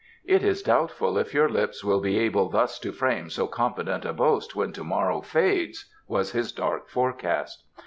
"It is doubtful if your lips will be able thus to frame so confident a boast when to morrow fades," was his dark forecast.